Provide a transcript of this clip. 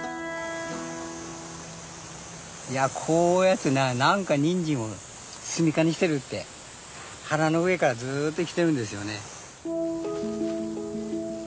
こういうやつ何かニンジンを住みかにしてるって花の上からずっと生きてるんですよね。